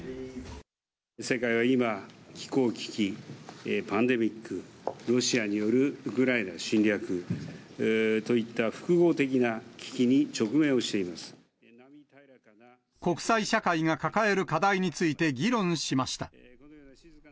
世界は今、気候危機、パンデミック、ロシアによるウクライナ侵略といった複合的な危機に直面をしてい国際社会が抱える課題について議論しました。